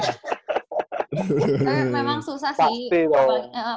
karena memang susah sih